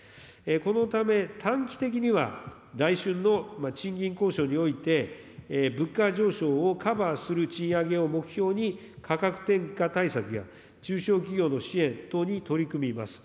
このため、短期的には、来春の賃金交渉において、物価上昇をカバーする賃上げを目標に、価格転嫁対策や、中小企業の支援等に取り組みます。